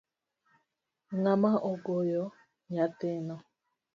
Ngama ogoyo nyathino?